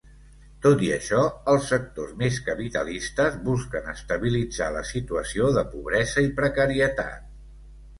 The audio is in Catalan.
Tot i això, els sectors més capitalistes busquen estabilitzar la situació de pobresa i precarietat.